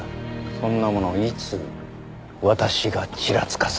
そんなものいつ私がちらつかせました？